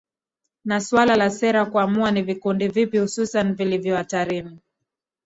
Ni suala la sera kuamua ni vikundi vipi hususan vilivyo hatarini